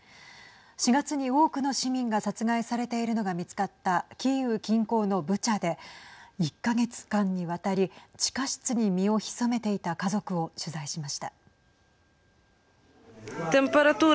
４月に多くの市民が殺害されているのが見つかったキーウ近郊のブチャで１か月間にわたり地下室に身を潜めていた家族を取材しました。